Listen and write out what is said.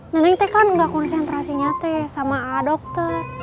neneng teh kan gak konsentrasinya teh sama a dokter